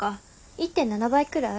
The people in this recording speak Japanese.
１．７倍くらい？